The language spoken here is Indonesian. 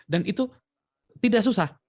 dan itu tidak susah